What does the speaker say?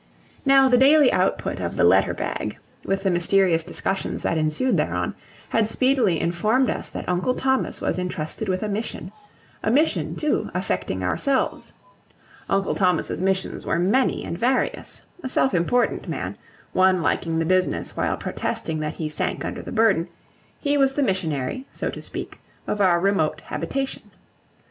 Now the daily output of the letter bag, with the mysterious discussions that ensued thereon, had speedily informed us that Uncle Thomas was intrusted with a mission, a mission, too, affecting ourselves. Uncle Thomas's missions were many and various; a self important man, one liking the business while protesting that he sank under the burden, he was the missionary, so to speak, of our remote habitation.